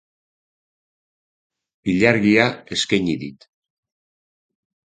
Ilargia eskaini dit.